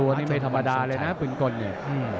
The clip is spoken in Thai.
เรียนตัวนี้ไม่ธรรมดาเลยนะปืนกลนี่